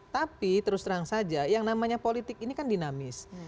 tapi terus terang saja yang namanya politik ini kan dinamis